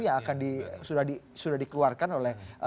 yang akan sudah dikeluarkan oleh